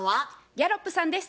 ギャロップさんです。